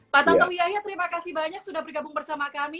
pak tantowi yahya terima kasih banyak sudah bergabung bersama kami